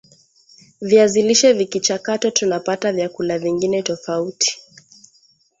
viazi lishe vikichakatwa tuna pata vyakula vingine tofauti